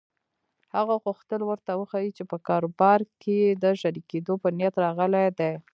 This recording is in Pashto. هغه غوښتل ورته وښيي چې په کاروبار کې د شريکېدو په نيت راغلی دی.